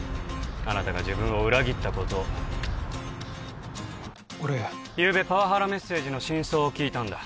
あなたが自分を裏切ったことゆうべパワハラメッセージの真相を聞いたんだ